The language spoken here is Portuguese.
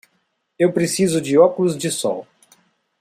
Eu preciso de óculos de sol.